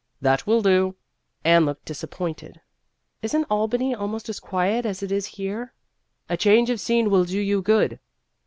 " That will do." Anne looked disappointed. " Is n't Al bany almost as quiet as it is here ?"" A change of scene will do you good."